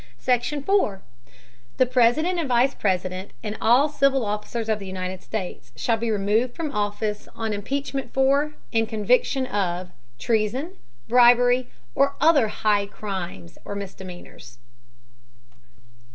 SECTION. 4. The President, Vice President and all civil Officers of the United States, shall be removed from Office on Impeachment for, and Conviction of, Treason, Bribery, or other high Crimes and Misdemeanors.